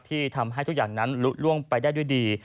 ที่ทำให้ทุกอย่างนั้นลุล่วงไปได้ด้วยดี